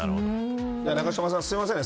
永島さん、すいませんね。